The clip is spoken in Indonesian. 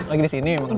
lagi di sini emang